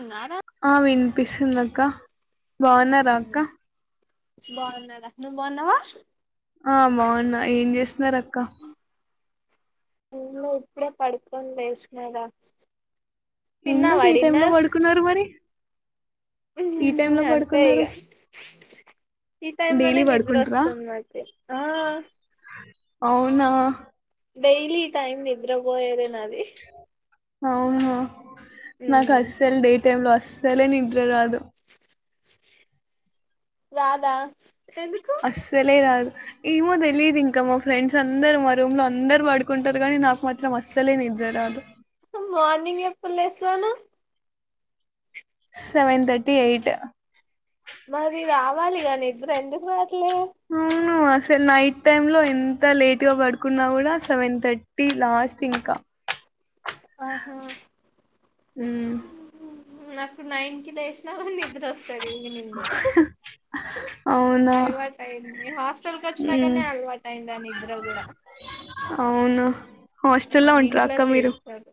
ఉన్నారా ఆ వినిపిస్తుందక్క ఊ బాన్నారా నువ్వు బాగున్నావ ఆ బాగున్నా ఏం చేస్తున్నారు అక్క ఏం లేదు ఇప్పుడే పడుకని లేసినారా ఎందుకు తిన్నావా ఈ టైమ్ లో పడుకున్నారు మరి ఊ ఈ టైమ్ లో అంతే పడుకున్నారు ఈగ ఈ టైమ్లోనే డైలీ నిద్ర పడుకుంటారా వస్తుంది నాకి ఆ అవునా డడైలీ ఈ టైమ్ నిద్రపోయేదే నాది అవున నాకస్సలు డేట్ టైంలో అస్సలే నిద్ర రాదు. రాదా కి అస్సలే రాదు ఏమో తెలియదు ఇంక మా ఫ్రెండ్స్ అందరు మా రూమ్ లో అందరు పడుకుంటారు కానీ నాకు మాత్రం అస్సలే నిద్ర రాదు. మార్నింగ్ ఎప్పు లేస్థాను. సెవెన్ తర్టీ ఎయిట్ మరి రావాలిగా నిద్ర ఏందు కు రావట్లే స్తే నైట్ టైమ్లో ఎంత లేట్గా పడుకున్నా కూడా సెవెన్ థర్టీ లాస్ట్ ఇంక ఆహా ఉమ్ ఉ నాకు నైన్కి లేసినామండి. నిద్రవస్తది అనిండు అవునా అలవాటు అయింది హాస్టల్కి ఉమ్ వచ్చినాకనే అలవాటు అయిందా నిద్ర కూడా అవును. ఆ హాస్టల్లో ఉంట్ర ఇంట్లో అక్క మీరు తిడతారు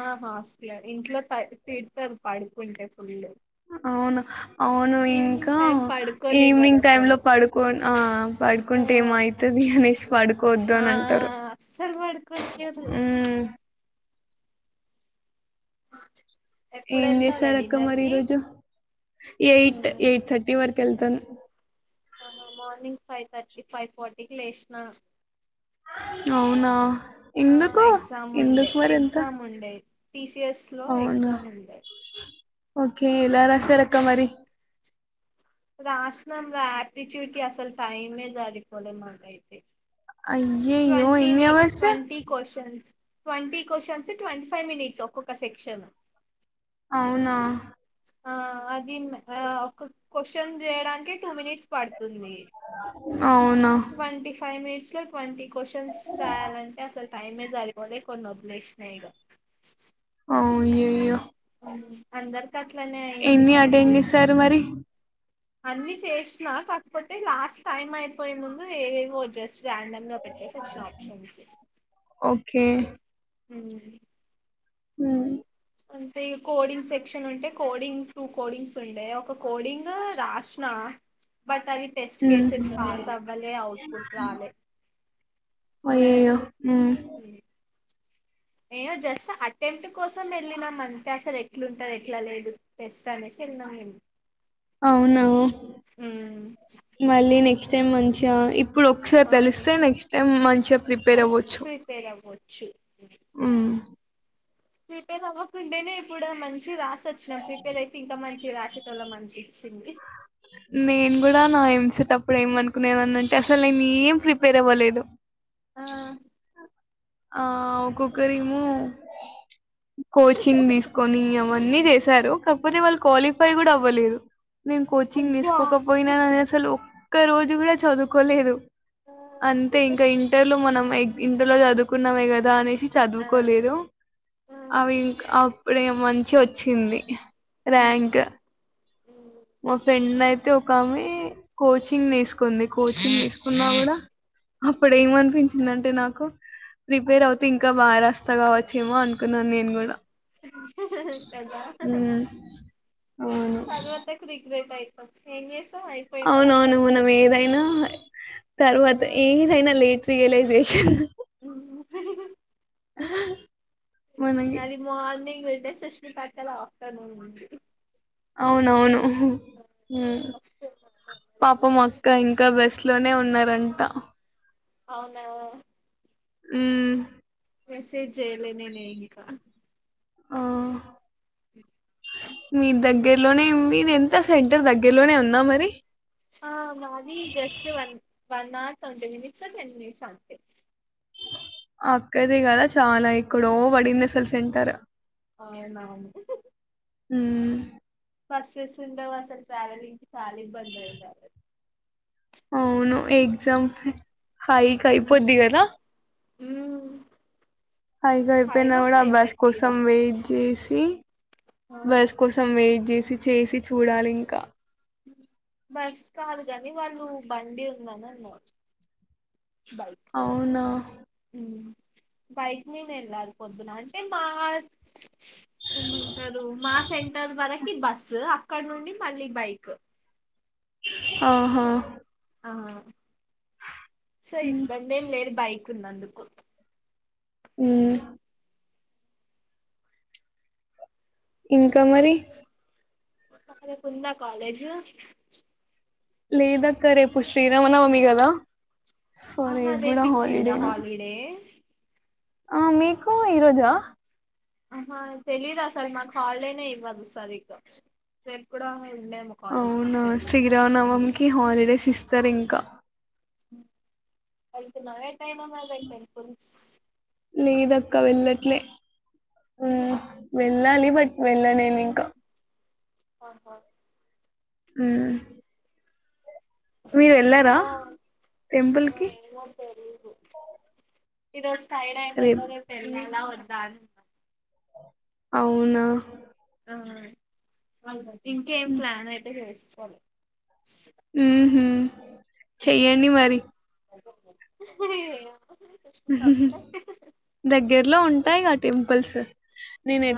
ఆ హాస్టల్ ఇంట్లో తిడ్తరు పడుకుంటే ఫుల్ అవును అవును ఇంకా ఈవినింగ్ టైం పడుకోనివ్వదు ఈవినింగ్ టైమ్ లో అసలు పడుకో ఆ ఆ పడుకుంటే ఏమో అయితది అనేసి పడుకోవద్దు ఆ అనంటరు అస్సలు పడుకోనియ్యరు ఎప్పుడు ఏం వెళ్తారా చేసారక్క డిన్నర్ మరి ఈ కి రోజు ఎయిట్ ఎయిట్ థర్టీ వరకు ఎళ్తాను ఆ మార్నింగ్ ఫైవ్ థర్టీ ఫైవ్ ఫార్టీకి లేసిన అవునా ఆ ఎందుకు ఎగ్జామ్ ఎందుకు మరి ఇంత టి సిఎస్ లో ఎగ్జామ్ ఉండె ఓకే ఎలారాసా సరెక మరి రాసినం ఆటిట్యూడ్కి అసలు టైమే సరిపోలె మాకైతే అయ్యయ్యో ట్వంటీ ఎన్ని మీ hours twenty questions twenty questions twenty five minutes ఒక్కొక్క సెక్షన్ అవునా ఆ అదిీ అ ఒక కొసెన్ చేయడానికి టూ మినిట్స్ పడుతుంది తుంది అవునా ట్వంటిఫైవ్ మినిట్స్ స్వల్‌ [unintelligible] ట్వంటి కొసెన్స్ రాయాలంటే అసలు టైమేసరిపోలేకొన్నివదిలేసినఇగ అయ్యయో అందరికి అట్లనే అయింది ఎన్ని టైం అటెండ్ చేశారు చూసుకోక మరి అన్ని చేసిన కాకపోతే లాస్ట్ టైం అయిపోయే ముందు ఎవేవొజస్ ర్యాండమ్ గా పెట్టేసి వచ్చిన ఆప్షన్స్ ఓకే హమ్ ఉ అంటే కోడింగ్ సెక్షన్ ఉంటే కోడింగ్ టూ కోడింగ్స్ ఉండే ఒక కోడింగ్ రాసినా బట్ అవి టెస్ట్ కేసెస్ ఉమ్. పాస్ అవలె అవుట్పుట్ రాలే అయయో హమ్ ఏ జస్ట్ అటెంట్‌కోసం వెళ్ళినాం అంతే అసలు ఎట్లుంటదిఎట్లా లేదు టెస్ట్ అనేసి వెళ్ళినాం మేము అవునా ఉమ్. మళ్ళీ నెక్స్ట్ మంచి గ ఇప్పు ఇప్పుడు ఒకసారి ఆ, తెలిస్తే నెక్స్ట్ టైమ్ మంచిగా ప్రిపేర్ అవ్వచ్చు చ్చూ ఆ ప్రిపేర్ అవ్వకుంటేనే ఇప్పుడు మంచి రా వచ్చిన ప్రిపేర్ అయితే ఇంకా మంచి రాసేటోళ్ల మంచి తం నేను కూడా నా ఎంసెట్టప్పుడు ఏమనుకునేనున్న అంటే అసలు నేను ఏం ప్రిపేర్ అవ్వలేదు. ఆ [unintelligible] ఆ ఒక్కొక్కరిమో కోచింగ్ తీసుకొని ఏమ అన్ని చేశారు కాకపోతే వాళ్ళు క్వాలిఫై కూడా అవ్వలేదు. నేను చిం అయ్యో తీసుకోక ఆ పోయినా అసలు ఒక్క రోజు కూడా చదువుకోలేదు. అంతే ఇంకా ఇంటర్ లో మనం ఎ ఇంటర్ లో చదువుకున్నామే కదా అని ఆ చదువుకోలేదు ఆ, అవి ఇంకా ఇప్పుడే మంచిగా వచ్చింది. ఉమ్, ర్యాంక్ ఉమ్, మా ఫ్రెండ్ అయితే ఒకమె కోచింగ్ తీసుకుంది. కోచింగ్ తీసుకున్నా కూడా అప్పుడు ఉమ్, ఉమ్. ఏమనిపించింది అంటే నాకు కు ప్రిపేర్ అవుతే ఇంకా బాగారస్ కస్తగావచ్చు ఏమో అనిపించింది. అనుకున్నాను న్నేను కూడా కదా హు అవును లెట్ అయితం ఏం చేస్తాం అయిపోయింటది అవునవును అప్పటికి మనం ఏదైనా తర్వాత ఆ ఏదైనా లేట్ రీలైజెషన్ [unintelligible] ఉహ నాది మార్నింగ్ అదే సుస్మిత అక్కది ఆఫ్టేర్నూన్ ఉంటది. అవునవును ఆహా హు వస్తున్నా మరి ఎట్లా పాపం అక్క రాసిందో ఇంకా బస్ లోనే ఉన్నారంట. అవునా ఉ మెసేజ్ చేయాలె నేనే ఇకా ఆ మీ దగ్గ గ్గరలోనే ఉంది ఇది ఎంత సెంటర్ దగ్గరలోనే ఉందా మరి ఆ మాది జస్ట్ వన్ వన్ ఆర్ ట్వీటీ మినిట్స్ టెన్ మినిట్స్ అంతే అక్కది కదా చాలా ఇక్కడో వడింది అసలు సెంటర్ ఆవునవున్ హుమ్ బస్సెస్ ఉండవు అసలు ట్రావెలింగ్ కి చాలా ఇబ్బంది అయితాది అవును ఎగ్జామ్ కి హైక్ అయిపోద్ది ఉమ్ కదా ఉమ్ ఫైకి అయిపోయినా ఫైవ్ ఓ కూడా ఫైవ్ బస్ థర్టీ కోసం ఆ వెయిట్ చేసి మరి బస్ కోసం వెయి చేసి చేసి చూడాలి ఇంకా బస్ కాద్ గాని వాళ్ళు బండి ఉందని అన్నా అవునా ఉమ్ బైక్ మీద ఏళ్ళారు పొద్దున అంటే మా ఏమంటరు మా సెంటర్ వరకి బస్సు అక్కడ నుండి మళ్ళీ బైక్ ఆహా ఆ సో ఉమ్ ఇబ్బంది ఏం లేదు బై కున్నందుకు హ్మ్ ఇంకా మరి రేపు ఉందా కాలేజ్ లేదక్క రేపు శ్రీరామనవమీ కదా సో ఆహా రేపు కూడా రేపుిచ్చిండ్రా హాలిడేనే హాలిడే ఆ మీకు ఈ రోజా ఆహా తెలీదు అసలు మాకు హాలిడేనే ఇవ్వదు సరీగ్గా రేపు కూడా ఉండేమో కాలేజ్ మాకు అవునా తెలీదు శ్రీరామనవమి కి హాలిడేస్ ఇస్ సరు ఇంక వెళ్తున్నవే ఏమో మరి పెట్ట ర్ పురి లేదక్క వెళ్ళట్లే హ్మ్ వెళ్ళాలి బట్ వెళ్ళలే నే ఇంకా ఆహా మ్మ్ మీరు వెళ్లారా టెంపుల్ కి తెలియదు టైడ్ అయిమేందో రేపు ఎల్దమ్ లా వద్దాన్ అవునా ఆ వ ఇంకేం ప్లాన్ అయితే చేస్ స్తాలే మ్ హు చెయ్యండి మరి సుష్మిత వస్తే దగ్గరలో ఉంటాయిగా టెంపుల్స్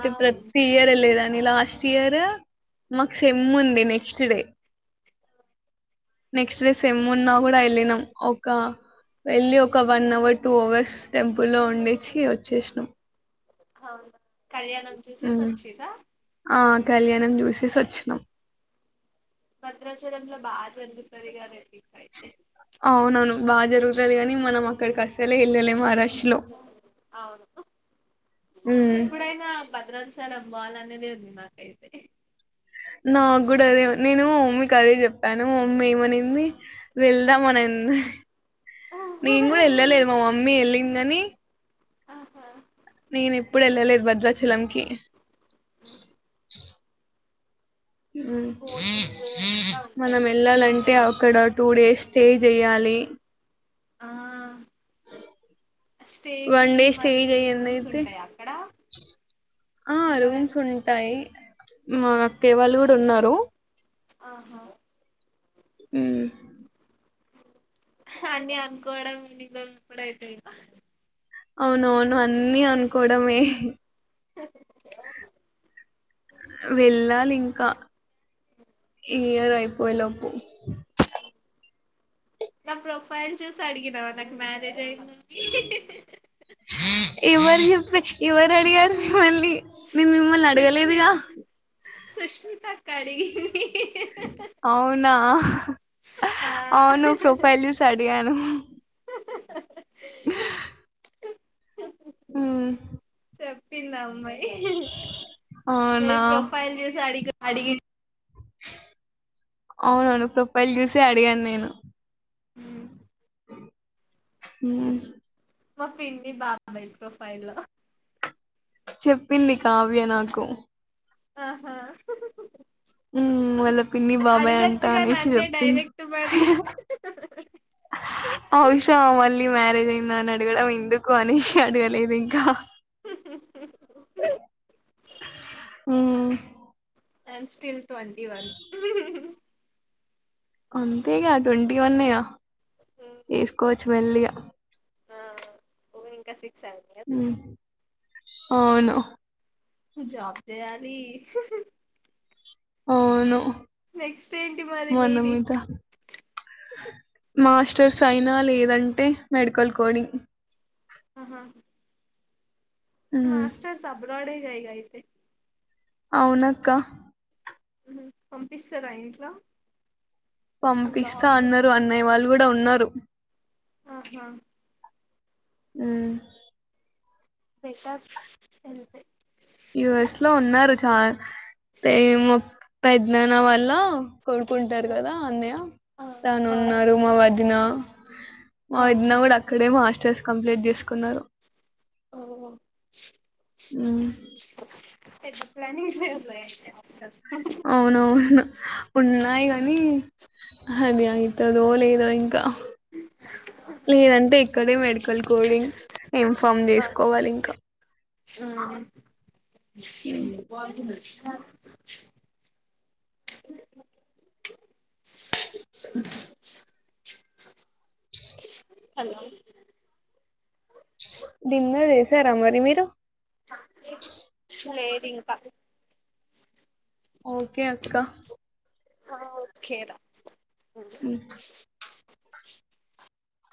ఆ అవును ప్రతి ఇయర్ ఏళ్ళే లేదాన్ని లాస్ స్ట్ ఇయర్ మాకు సెమ్ ఉంది నెక్స్ట్ డే నెక్స్ట్ డేె సేమ్మున్న కూడా ఎల్ ళ్ళినాం ఒక వెళ్ళి ఒక వన్ అవర్ టూ అవర్స్ టెంపుల్లో ఉండేచి వచ్చేసినం హ కళ్యాణం చుసెసి ఒచ్చిర్ర ఆ కళ్యాణం చూసేసి ఒచ్చినం భద్రాచలంలో బా జరుగుతది కదండీ అవునవును బాగ జరుగుతది కాని మనం అక్కడికి అస్సలే ఎళ్ళలేము అవును ఉమ్ ఎప్పుడైనా భద్రాచలం పోవాలన్నదే ఉంది మాకైతే నాకు కూడా అదే నేను మమ్మీకి అదే చెప్పాను మా మమ్మీ ఏమనింది వెళ్దాం అని అంది నేను కూడా వెళ్ళలేదు మా మమ్మీ ఎళ్ళిన్ కనీ ఆహా నేను ఎప్పుడు వెళ్ళలేదు భద్రాచలంకి హోస్టింగ్ అంతా ఉంటది మనం మంచిగా వెళ్ళాలంటే ఉంటది అక్కడ టూ డేస్ స్టే చెయ్యాలి ఆ స్టేకి వన్ డే స్టే మళ్ళీ చెయ్యంది రూమ్స్ అయితే ఉంటాయి అక్కడ ఆ రూమ్స్ ఉండవేమో ఉంటాయి మా ఆహా అక్కేయ్య వాళ్ళు కూడా ఉన్నారు రు ఆహా మ్ అన్నిీ అనుకోడం నిజం ఎప్పుడు అయితయో అవునవును అన్నీ అనుకోవడమే వెళ్ళాలి ఇంకా ఈ ఇయర్ అయిపోయేలోప్ నా ప్రొఫైల్ చూస్ అడిగినవా నాక్ మ్యారేజ్ అయ్యిన్. ఎవరి చెప్పే, ఇవరడిగార్. మళ్ళీ, నేన్ మిమ్మల్నడగలేదుగా. సుష్మితక్కాడి. అవునా. ఆ అవును ప్రోఫైల్ చూస్ అని అడిగాను. హా ఊ చెప్పిందన్. మ్మాయి, అవునా ఫేక్ ప్రోఫైల్ చూసడిగ్. అడిగి అవునవును ప్రోఫైల్ చూసి అడిగాన్ నేను. హ ఊ మా పిన్ని బాబాయ్ ప్రొఫైల్ లో. చెప్పింది. కావ్య నాకు. ఆహ. ఊ వాళ్ళ పిన్ని బాబాయ్ అంట అనేసి నన్నే చెప్పింది. డైరెక్ట్ మరి ఆ విషయం మళ్ళీ మ్యారేజ్ అయ్యిన్. నన్నడగడం ఎందుక్. కొని అడగలేదింకా. ఊ I am still. Twenty one. అంతేగా ట్వంటీ వన్నెగా. చేసుకోవచ్ మెల్లిగ. ఆ పొవే ఇంకా సిగ్. సర్లే. మ్మ్ అవును. జాబ్ జేయాలి. అవును నెక్స్ట్ ఏంటి మరి మన మీది. మీద మాస్టర్స్ అయినా లేదంటే మెడికల్ కోడింగ్. ఆహా మ్మ్ మాస్టర్స్ సబ్. గోడింగ్ జై ఐతే. అవునక్క. పంపిస్తరా ఇంట్లో. ఇంత పంపిస్తా లాంగ్ అన్నరు. అన్నయ్య వాళ్ళు. గుడ ఉన్నరు. ఆహా ఉ బెటర్ ఎంతె ఈ వయసులో ఉన్నారు చా ఏమో పెదనాన్న వాళ్ళ కొడుకు ఉంటారు కదా అన్నయ్య ఆ తను ఆ ఉన్నాడు మా వదిన మా ఆ వదిన కూడా అక్కడే మాస్టర్స్ కంప్లీట్ చేసుకున్నారు ఓ ఉమ్ పెద్ద ప్లానింగే అట్లా అయితే అవునవును ఉన్నాయి కాని అది ఆయితదో లేదో ఇంకా లేదంటే ఇక్కడే మెడికల్ కోడింగ్ ఇన్ఫామ్ చేసుకోవాలి ఇంకా ఉ అ పో నారు హలో డిన్నర్ చేసారా మరి మీరు లేదు ఇంకా ఓకే అక్కా ఓకేరా ఉ ఉమ్